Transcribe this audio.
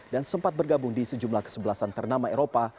dan sempat bergabung di sejumlah kesebelasan ternama eropa